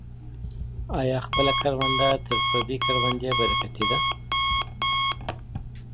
آیا خپله کرونده تر پردۍ کروندې برکتي ده؟